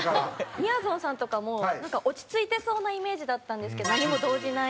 みやぞんさんとかもなんか落ち着いてそうなイメージだったんですけど何も動じない。